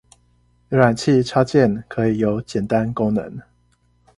瀏覽器插件可以有簡單功能